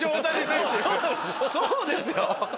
そうですよ。